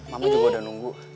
mama juga udah nunggu